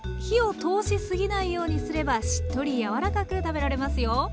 火を通しすぎないようにすればしっとり柔らかく食べられますよ。